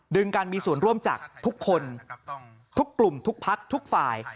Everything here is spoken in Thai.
การมีส่วนร่วมจากทุกคนทุกกลุ่มทุกพักทุกฝ่าย